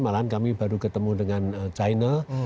malahan kami baru ketemu dengan china